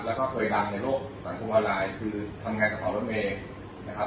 และเคยดำในโลกสรรคุมวะรายคือทำงานในกระเป๋าเทอร์เม้